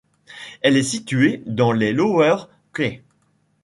Elle est située dans les Lower Keys.